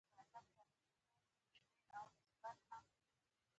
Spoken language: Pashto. د جلغوزیو په موسم کې له لویې پکتیا سره خبرې نه کېږي.